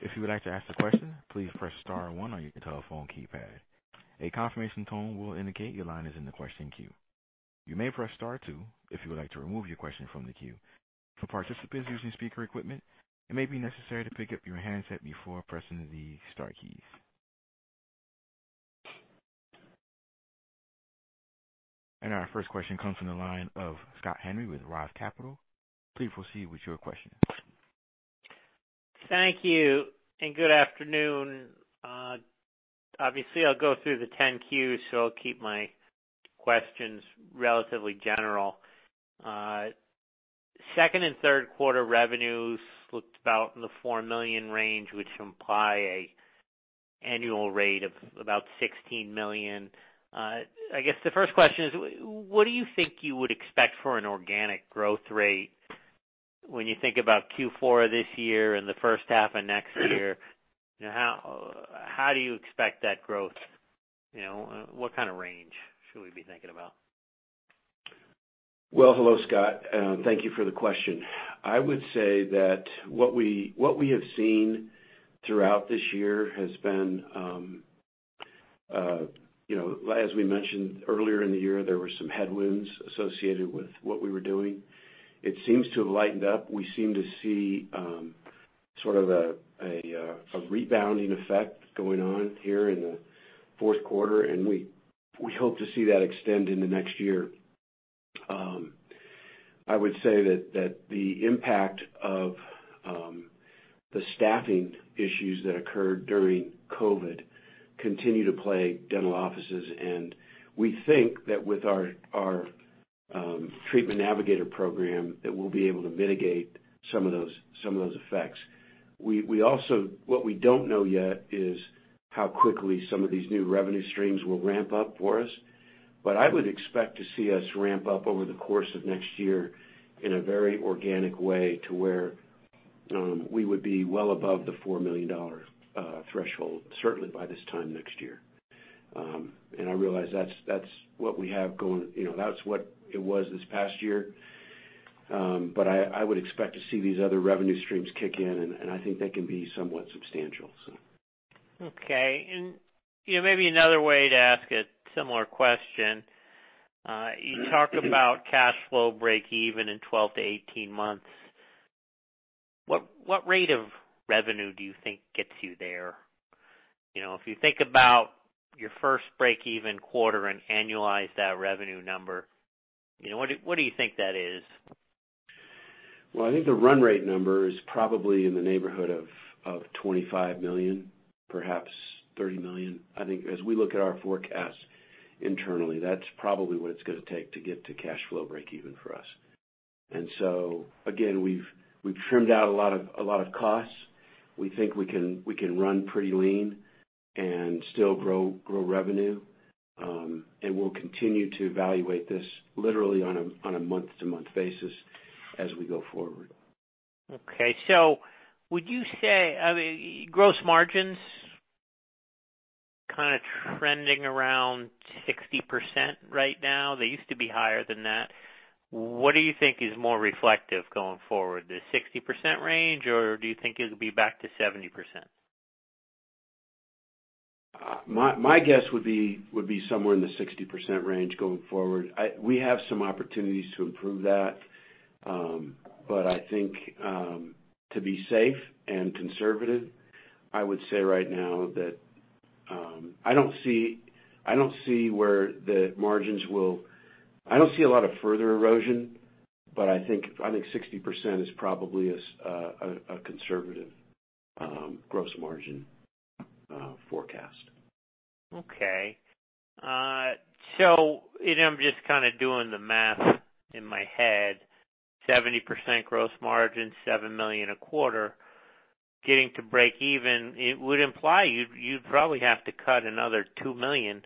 S1: If you would like to ask a question, please press star one on your telephone keypad. A confirmation tone will indicate your line is in the question queue. You may press star two if you would like to remove your question from the queue. For participants using speaker equipment, it may be necessary to pick up your handset before pressing the star keys. Our first question comes from the line of Scott Henry with ROTH Capital. Please proceed with your question.
S5: Thank you and good afternoon. Obviously, I'll go through the Form 10-Qs. I'll keep my questions relatively general. Second and Q3 revenues looked about in the $4 million range, which imply an annual rate of about $16 million. I guess the first question is what do you think you would expect for an organic growth rate when you think about Q4 this year and the H1 of next year? How do you expect that growth? You know, what kind of range should we be thinking about?
S3: Hello, Scott, and thank you for the question. I would say that what we have seen throughout this year has been, you know, as we mentioned earlier in the year, there were some headwinds associated with what we were doing. It seems to have lightened up. We seem to see sort of a rebounding effect going on here in the Q4, and we hope to see that extend into next year. I would say that the impact of the staffing issues that occurred during COVID continue to plague dental offices, and we think that with our Treatment Navigator program, that we'll be able to mitigate some of those effects. What we don't know yet is how quickly some of these new revenue streams will ramp up for us. I would expect to see us ramp up over the course of next year in a very organic way to where we would be well above the $4 million threshold, certainly by this time next year. I realize that's what we have going. You know, that's what it was this past year. I would expect to see these other revenue streams kick in, and I think they can be somewhat substantial, so.
S5: Okay. You know, maybe another way to ask a similar question. You talk about cash flow breakeven in 12 to 18 months. What rate of revenue do you think gets you there? You know, if you think about your first breakeven quarter and annualize that revenue number, you know, what do you think that is?
S3: Well, I think the run rate number is probably in the neighborhood of $25 million, perhaps $30 million. I think as we look at our forecasts internally, that's probably what it's gonna take to get to cash flow breakeven for us. Again, we've trimmed out a lot of costs. We think we can run pretty lean and still grow revenue. We'll continue to evaluate this literally on a month-to-month basis as we go forward.
S5: Okay. would you say, I mean, gross margins kinda trending around 60% right now. They used to be higher than that. What do you think is more reflective going forward, the 60% range, or do you think it'll be back to 70%?
S3: My guess would be somewhere in the 60% range going forward. We have some opportunities to improve that. I think to be safe and conservative, I would say right now that I don't see where the margins will... I don't see a lot of further erosion, I think 60% is probably a conservative gross margin forecast.
S5: I'm just kind a doing the math in my head. 70% gross margin, $7 million a quarter. Getting to break even, it would imply you'd probably have to cut another $2 million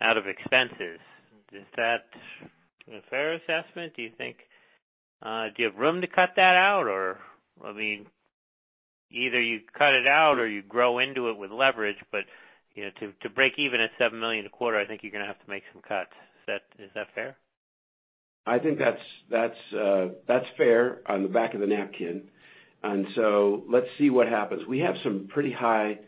S5: out of expenses. Is that a fair assessment, do you think? Do you have room to cut that out or, I mean, either you cut it out or you grow into it with leverage. You know, to break even at $7 million a quarter, I think you're gonna have to make some cuts. Is that fair?
S3: I think that's fair on the back of the napkin. Let's see what happens. We have some pretty high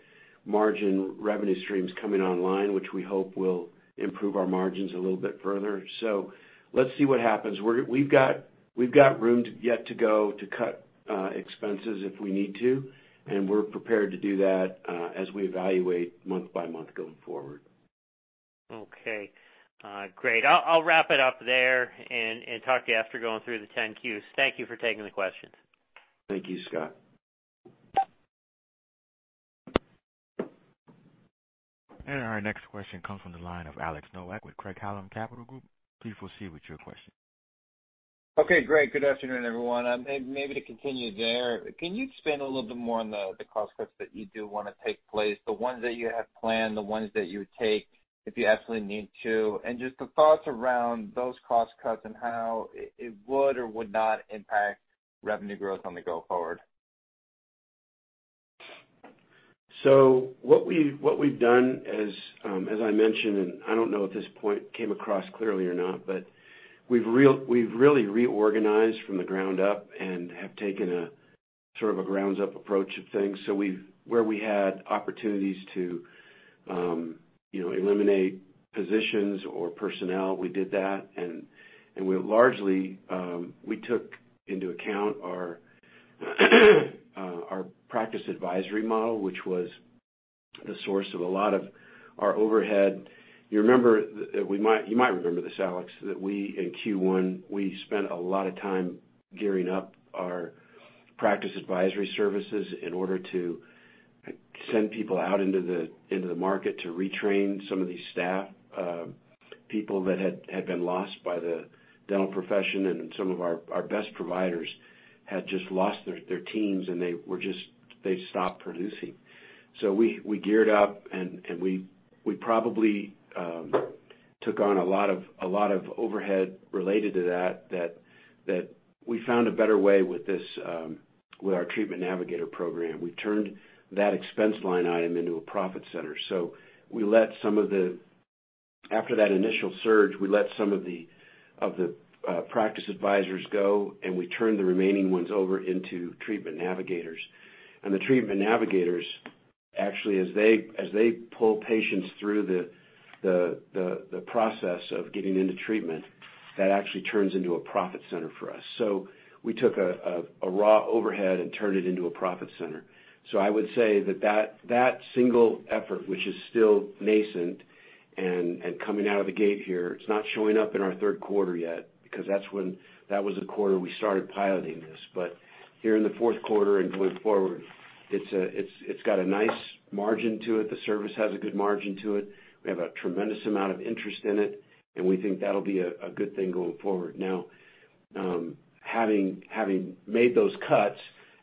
S3: margin revenue streams coming online, which we hope will improve our margins a little bit further. Let's see what happens. We've got room to yet to go to cut expenses if we need to, and we're prepared to do that as we evaluate month by month going forward.
S5: Okay. Great. I'll wrap it up there and talk to you after going through the 10-Qs. Thank you for taking the questions.
S3: Thank you, Scott.
S1: Our next question comes from the line of Alex Nowak with Craig-Hallum Capital Group. Please proceed with your question.
S6: Great. Good afternoon, everyone. Maybe to continue there, can you expand a little bit more on the cost cuts that you do wanna take place, the ones that you have planned, the ones that you would take if you absolutely need to, and just the thoughts around those cost cuts and how it would or would not impact revenue growth on the go forward?
S3: What we've done as I mentioned, and I don't know at this point came across clearly or not, but we've really reorganized from the ground up and have taken a sort of a ground-up approach to things. Where we had opportunities to, you know, eliminate positions or personnel, we did that. We largely took into account our practice advisory model, which was the source of a lot of our overhead. You remember, you might remember this, Alex, that we in Q1, we spent a lot of time gearing up our practice advisory services in order to send people out into the market to retrain some of these staff people that had been lost by the dental profession. Some of our best providers had just lost their teams, they stopped producing. We geared up, and we probably took on a lot of overhead related to that we found a better way with this, with our Treatment Navigator program. We turned that expense line item into a profit center. We let some of the After that initial surge, we let some of the practice advisors go, and we turned the remaining ones over into Treatment Navigators. The Treatment Navigators, actually, as they pull patients through the process of getting into treatment, that actually turns into a profit center for us. We took a raw overhead and turned it into a profit center. I would say that single effort, which is still nascent and coming out of the gate here, it's not showing up in our Q3 yet because that's when. That was the quarter we started piloting this. Here in the Q4 and going forward, it's got a nice margin to it. The service has a good margin to it. We have a tremendous amount of interest in it, and we think that'll be a good thing going forward. Having made those cuts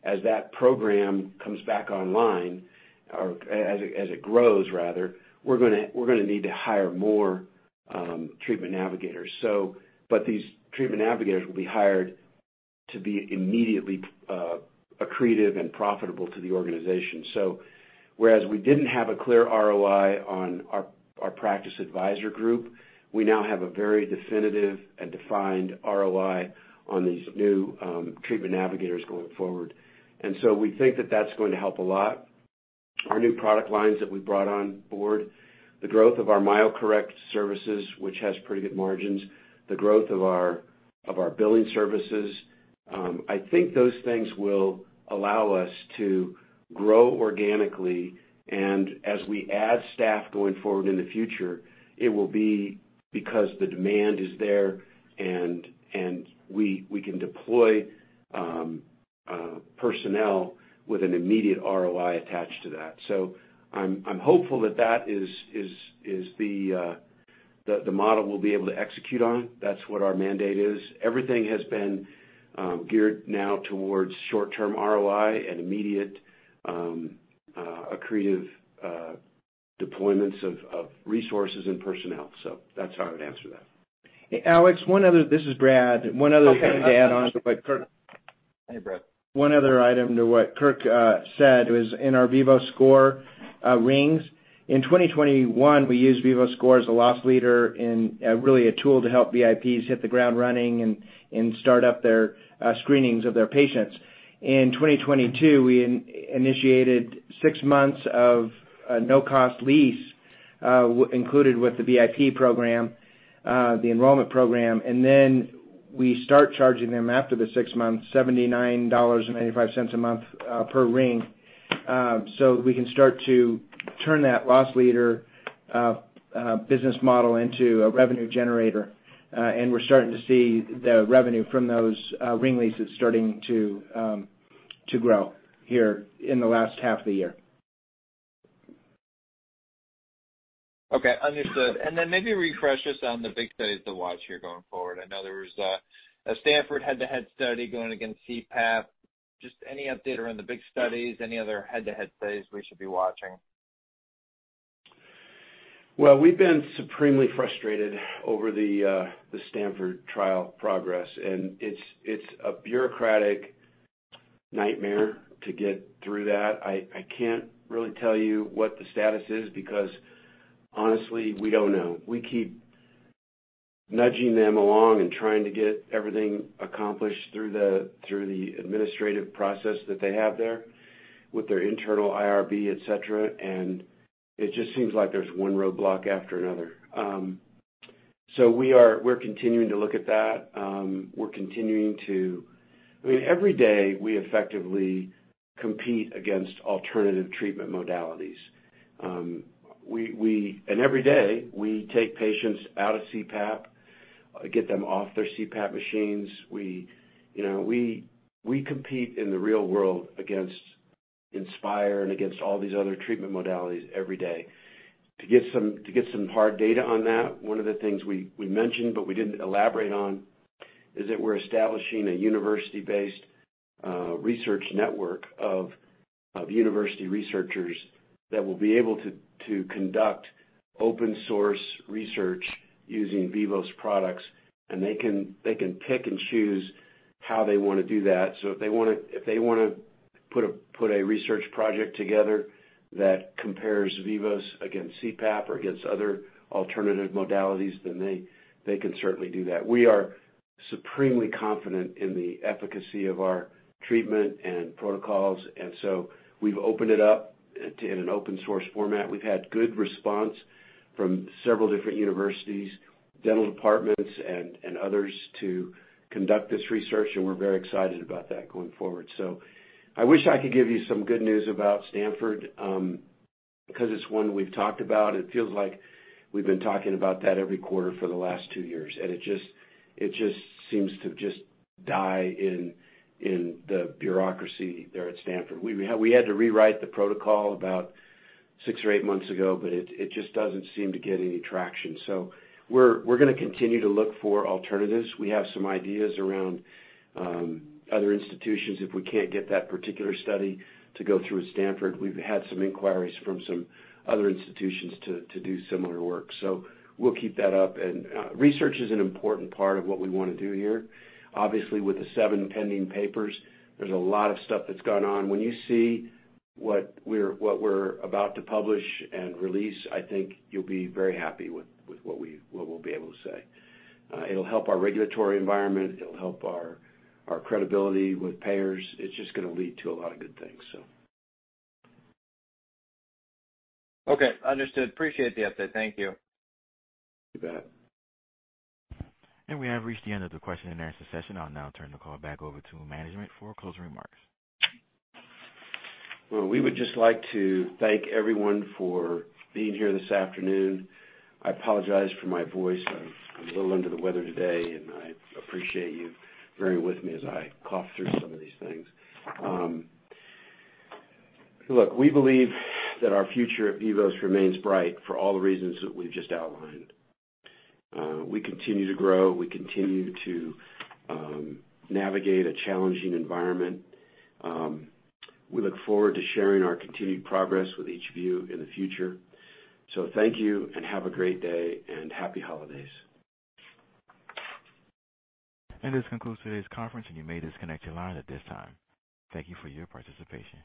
S3: as that program comes back online or as it grows rather, we're gonna need to hire more treatment navigators. But these treatment navigators will be hired to be immediately accretive and profitable to the organization. Whereas we didn't have a clear ROI on our practice advisor group, we now have a very definitive and defined ROI on these new treatment navigators going forward. We think that that's going to help a lot. Our new product lines that we brought on board, the growth of our MyoCorrect services, which has pretty good margins, the growth of our billing services. I think those things will allow us to grow organically. As we add staff going forward in the future, it will be because the demand is there and we can deploy personnel with an immediate ROI attached to that. I'm hopeful that that is the model we'll be able to execute on. That's what our mandate is. Everything has been geared now towards short-term ROI and immediate accretive deployments of resources and personnel. That's how I would answer that.
S4: Alex. This is Brad. One other thing to add on to what Kirk.
S6: Hey, Brad.
S4: One other item to what Kirk said was in our VivoScore rings. In 2021, we used VivoScore as a loss leader and really a tool to help VIPs hit the ground running and start up their screenings of their patients. 2022, we initiated 6 months of no-cost lease included with the VIP program, the enrollment program, and then we start charging them after the 6 months, $79.95 a month per ring. We can start to turn that loss leader business model into a revenue generator. We're starting to see the revenue from those ring leases starting to grow here in the last half of the year.
S6: Okay, understood. Maybe refresh us on the big studies to watch here going forward. I know there was a Stanford head-to-head study going against CPAP. Any update around the big studies? Any other head-to-head studies we should be watching?
S3: Well, we've been supremely frustrated over the Stanford trial progress, and it's a bureaucratic nightmare to get through that. I can't really tell you what the status is because honestly, we don't know. We keep nudging them along and trying to get everything accomplished through the administrative process that they have there with their internal IRB, et cetera, and it just seems like there's one roadblock after another. We're continuing to look at that. I mean, every day, we effectively compete against alternative treatment modalities. Every day, we take patients out of CPAP, get them off their CPAP machines. We, you know, we compete in the real world against Inspire and against all these other treatment modalities every day. To get some hard data on that, one of the things we mentioned but we didn't elaborate on, is that we're establishing a university-based research network of university researchers that will be able to conduct open source research using Vivos products, and they can pick and choose how they wanna do that. If they wanna put a research project together that compares Vivos against CPAP or against other alternative modalities, then they can certainly do that. We are supremely confident in the efficacy of our treatment and protocols, we've opened it up in an open source format. We've had good response from several different universities, dental departments and others to conduct this research, we're very excited about that going forward. I wish I could give you some good news about Stanford, because it's one we've talked about. It feels like we've been talking about that every quarter for the last two years, and it just seems to just die in the bureaucracy there at Stanford. We had to rewrite the protocol about six or eight months ago, but it just doesn't seem to get any traction. We're gonna continue to look for alternatives. We have some ideas around other institutions if we can't get that particular study to go through at Stanford. We've had some inquiries from some other institutions to do similar work, so we'll keep that up. Research is an important part of what we wanna do here. Obviously, with the seven pending papers, there's a lot of stuff that's gone on. When you see what we're about to publish and release, I think you'll be very happy with what we'll be able to say. It'll help our regulatory environment. It'll help our credibility with payers. It's just gonna lead to a lot of good things, so.
S6: Okay, understood. Appreciate the update. Thank you.
S3: You bet.
S1: We have reached the end of the question and answer session. I'll now turn the call back over to management for closing remarks.
S3: Well, we would just like to thank everyone for being here this afternoon. I apologize for my voice. I'm a little under the weather today, and I appreciate you bearing with me as I cough through some of these things. Look, we believe that our future at Vivos remains bright for all the reasons that we've just outlined. We continue to grow. We continue to navigate a challenging environment. We look forward to sharing our continued progress with each of you in the future. Thank you, and have a great day, and happy holidays.
S1: This concludes today's conference, and you may disconnect your line at this time. Thank you for your participation.